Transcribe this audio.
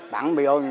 bạn bị ôm nhà